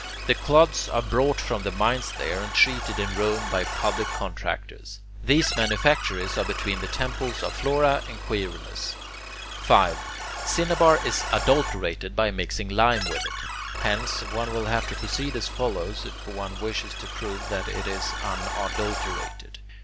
The clods are brought from the mines there, and treated in Rome by public contractors. These manufactories are between the temples of Flora and Quirinus. 5. Cinnabar is adulterated by mixing lime with it. Hence, one will have to proceed as follows, if one wishes to prove that it is unadulterated.